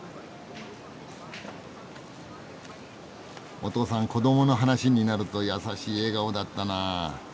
お父さん子どもの話になると優しい笑顔だったなあ。